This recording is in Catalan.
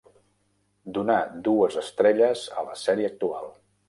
Donar dues estrelles a la sèrie actual.